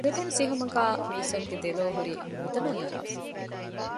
ލިބުނު ސިހުމުގައި މީސަމް ގެ ދެލޯ ހުރީ މުދަނަށް އަރާފަ